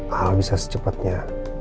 al bisa secepatnya